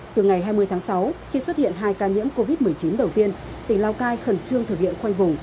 từ ngày hai mươi tháng sáu khi xuất hiện hai ca nhiễm covid một mươi chín đầu tiên tỉnh lào cai khẩn trương thực hiện khoanh vùng